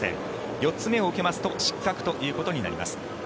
４つ目を受けますと失格ということになります。